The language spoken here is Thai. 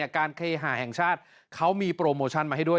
การเคหาแห่งชาติเขามีโปรโมชั่นมาให้ด้วย